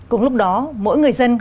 cùng lúc đó mỗi người dân